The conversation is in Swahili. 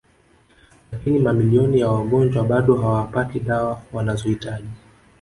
Lakini mamilioni ya wagonjwa bado hawapati dawa wanazohitaji